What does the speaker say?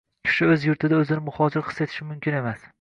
Kishi o‘z yurtida o‘zini muhojir his etishi mumkin emas.